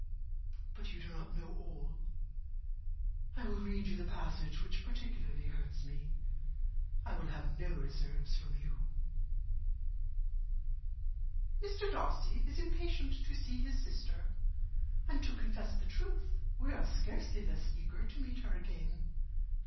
But you do not know all. I will read you the passage which particularly hurts me. I will have no reserves from you. 'Mr. Darcy is impatient to see his sister; and to confess the truth, we are scarcely less eager to meet her again.